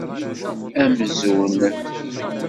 Amzun!